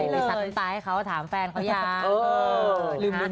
พิทัศน์น้ำตาให้เขาแต่ถามแฟนเขาอยาก